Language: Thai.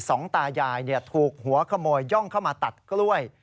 สองตายายถูกหัวขโมยย่องเข้ามาตัดกล้วย